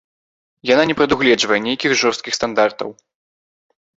Яна не прадугледжвае нейкіх жорсткіх стандартаў.